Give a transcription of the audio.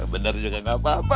bener juga nggak apa apa